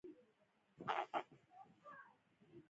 دا د هغه په مقابل کې دي.